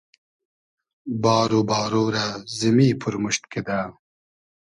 بار و بارۉ رۂ زیمی پورموشت کیدۂ